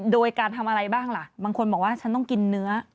โดยการทำอะไรบ้างล่ะบางคนบอกว่าฉันต้องกินเนื้อ